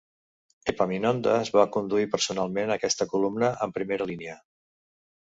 Epaminondes va conduir personalment aquesta columna en primera línia.